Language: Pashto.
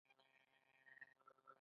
دوی د بومیانو حقوق ساتي.